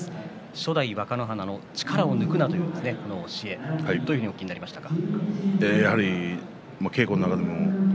初代若乃花の力を抜くなという教えどういうふうにお聞きになりましたか？